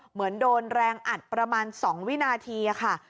เหมือนโดนแรงอัดประมาณ๒วินาทีค่ะ